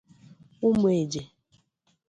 Ụmụeje